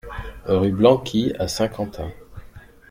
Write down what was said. Rue Blanqui à Saint-Quentin